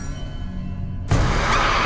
aku mau lihat